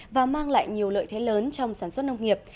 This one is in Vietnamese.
và mang lại nhiều lợi thế lớn trong sản xuất nông nghiệp